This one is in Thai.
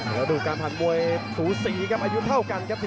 ดูการผ่านมวยสูสีครับอายุเท่ากันครับ